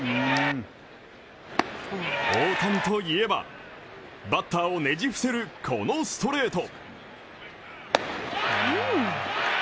大谷と言えば、バッターをねじ伏せるこのストレート。